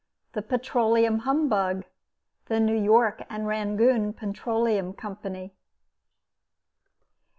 THE PETROLEUM HUMBUG. THE NEW YORK AND RANGOON PETROLEUM COMPANY.